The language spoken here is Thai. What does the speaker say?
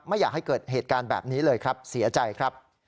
ไม่อยากให้เกิดเหตุการณ์แบบนี้เลยครับเสียใจครับ